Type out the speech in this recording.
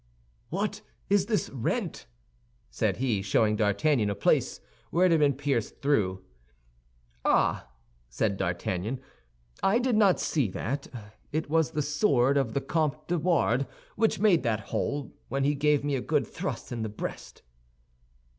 "What is this rent?" said he, showing D'Artagnan a place where it had been pierced through. "Ah," said D'Artagnan, "I did not see that; it was the sword of the Comte de Wardes which made that hole, when he gave me a good thrust in the breast."